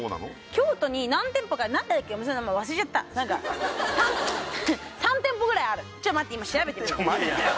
京都に何店舗か何だっけお店の名前忘れちゃった３店舗ぐらいあるちょっと待って今調べてみる